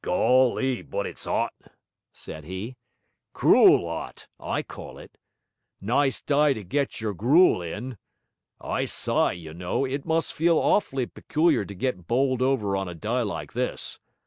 'Golly, but it's 'ot!' said he. 'Cruel 'ot, I call it. Nice d'y to get your gruel in! I s'y, you know, it must feel awf'ly peculiar to get bowled over on a d'y like this.